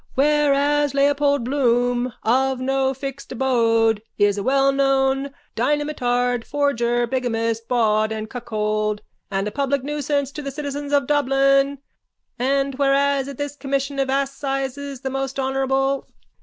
_ Whereas Leopold Bloom of no fixed abode is a wellknown dynamitard, forger, bigamist, bawd and cuckold and a public nuisance to the citizens of Dublin and whereas at this commission of assizes the most honourable...